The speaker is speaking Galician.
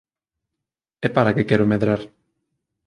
E para que quero medrar?